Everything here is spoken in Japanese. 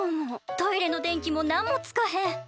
・トイレの電気も何もつかへん。